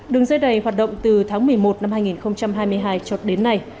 đường dây này hoạt động từ tháng một mươi một năm hai nghìn hai mươi hai cho đến nay